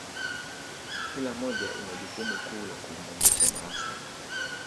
kila moja ina jukumu kuu la kuunganisha Maasai